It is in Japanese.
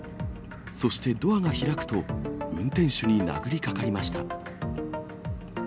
そしてドアが開くと、運転手に殴りかかりました。